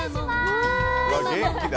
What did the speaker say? うわ元気だ。